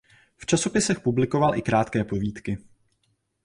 V časopisech publikoval i krátké povídky.